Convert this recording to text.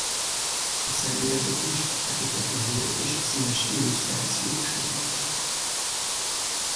A szemléltetést a fekete-fehér és a színes illusztrációk segítik.